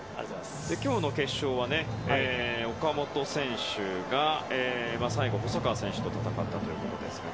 今日の決勝は岡本選手が最後細川選手と戦ったということですけど。